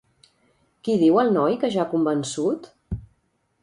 Qui diu el noi que ja ha convençut?